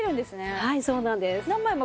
はいそうなんです。